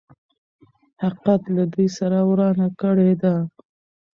حقيقت له دوی سره ورانه کړې ده.